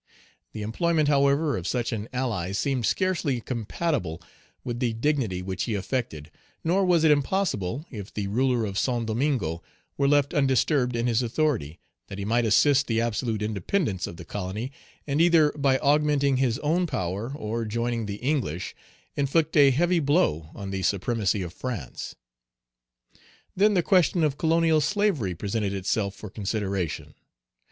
The employment, however, of such an ally seemed scarcely compatible with the dignity which he affected; nor was it impossible, if the ruler of Saint Domingo were left undisturbed in his authority, that he might assist the absolute independence of the colony, and either by augmenting his own power or joining the English, inflict a heavy blow on the supremacy of France. Then the question of colonial slavery presented itself for consideration.